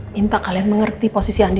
minta kalian mengerti posisi andi